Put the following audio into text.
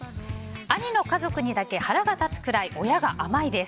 兄の家族にだけ腹が立つくらい親が甘いです。